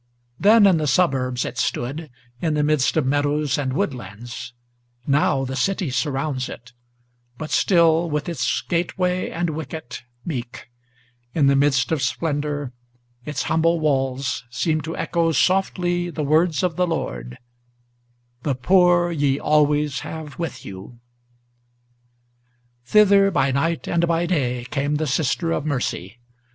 Then in the suburbs it stood, in the midst of meadows and woodlands; Now the city surrounds it; but still, with its gateway and wicket Meek, in the midst of splendor, its humble walls seem to echo Softly the words of the Lord: "The poor ye always have with you." Thither, by night and by day, came the Sister of Mercy.